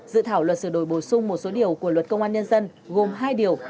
dự thảo luật sửa đổi bổ sung một số điều của luật công an nhân dân gồm hai điều